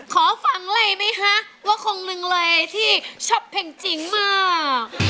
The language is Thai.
ขอฟังเลยไหมคะว่าคนหนึ่งเลยที่ชอบเพลงจริงมาก